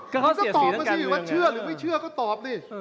ตอบก็ใช่ว่าเชื่อหรือไม่เชื่อก็ตอบดิ